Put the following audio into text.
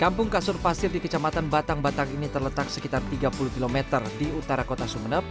kampung kasur pasir di kecamatan batang batang ini terletak sekitar tiga puluh km di utara kota sumeneb